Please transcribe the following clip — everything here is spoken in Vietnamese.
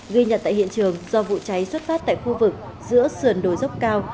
ghi nhận tại hiện trường do vụ cháy xuất phát tại khu vực giữa sườn đồi dốc cao